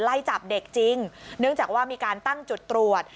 ไล่จับเด็กจริงเนื่องจากว่ามีการตั้งจุดตรวจ